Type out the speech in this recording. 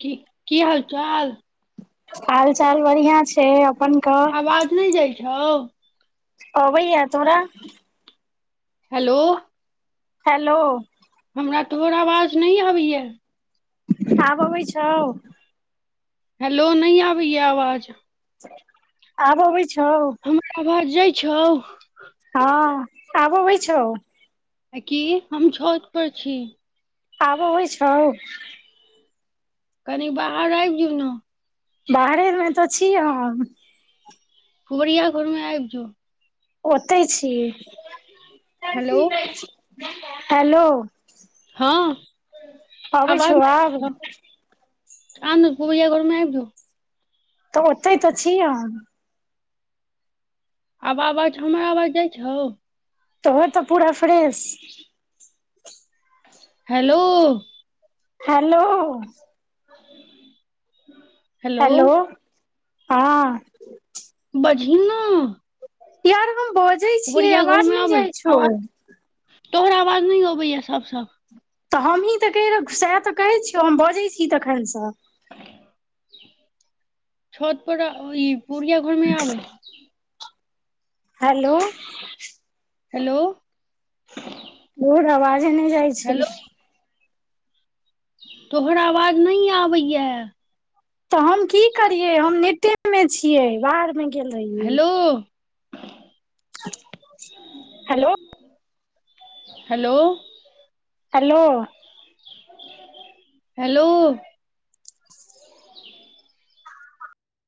की की हाल चाल हाल चाल बढ़ियाँ छै अपन कह आवाज नहि जाइ छौ अबैये तोरा हेलो हेलो हमरा तोहर आवाज नहि अबैये आब अबै छौ हैेलो नहि आबैये आवाज आब अबै छौ हमर आवाज जाइ छौ हँ आब अबै छौ की हम छत पर छी आब अबइ छौ कनि बाहर आबि जो ने बाहरे मे तऽ छी हम पुबरिया घर मे आबि जो ओतै छी हेलो हेलो हँ अबै आवाज छौ आब [unintelligible] आन पूबरिया घर मे आबि जो ने तऽ ओतैय तऽ छी हम आब आवाज हमर आवाज जाइ छौ तोहर तऽ पूरा फ्रेश छौ हेलो हेलो ह हेलो हँ बजहिन ने यार हम बजै छियै पुबरिया घर आवाज मे नहि आबै जाइ छौ आवाज तोहर आवाज नहि अबैया सभ सँ तऽ हमहीं तऽ कह रह सएह तऽ कहै छियौ हम बजै छी तखनसँ छत प ओ पुरिया घरमे आब हेलो हेलो भोर आवाजे नहि जाइ छै हेलो तोहर आवाज नहि आबैय त हम की करियए हम नेटे मे छियै बाहर मे गेल रहियै hello hello hello hello hello [inaudible]